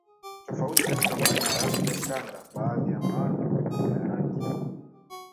tofauti katika maana ya rangi ya shanga baadhi ya maana kwa jumla ya rangi